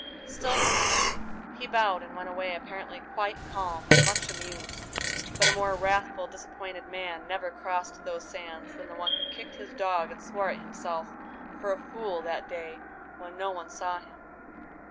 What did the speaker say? Still smiling, he bowed and went away apparently quite calm and much amused, but a more wrathful, disappointed man never crossed those sands than the one who kicked his dog and swore at himself for a fool that day when no one saw him.